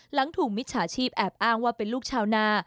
หลังถูกมิจฉาชีพแอบอ้างว่าเป็นลูกชาวนา